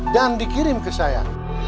dan dikirim ke saya